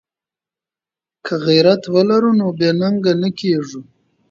که غیرت ولرو نو بې ننګه نه کیږو.